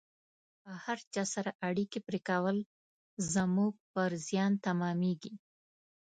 هر چا سره اړیکې پرې کول زموږ پر زیان تمامیږي